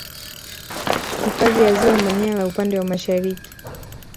Hifadhi ya ziwa Manyara upande wa Mashariki